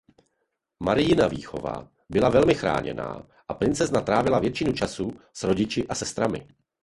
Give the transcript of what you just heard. Mariina výchova byla velmi chráněná a princezna trávila většinu času s rodiči a sestrami.